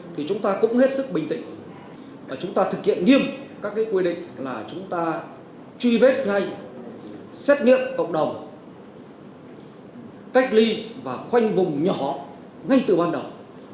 thì chúng ta cũng hết sức bình tĩnh là chúng ta thực hiện nghiêm các quy định là chúng ta truy vết ngay xét nghiệm cộng đồng cách ly và khoanh vùng nhỏ ngay từ ban đầu